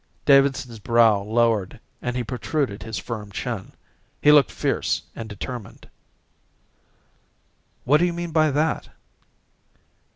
Davidson's brow lowered, and he protruded his firm chin. He looked fierce and determined. "What do you mean by that?"